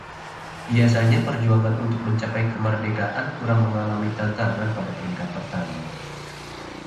biasanya perjuangan untuk mencapai kemerdekaan kurang mengalami tantangan pada peringkat pertama